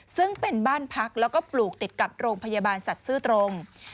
ซึ่งเป็นบ้านพักแล้วก็ปลูกติดกับโรงพยาบาลสัตว์ซื้อตรง